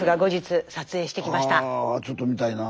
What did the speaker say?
あちょっと見たいな。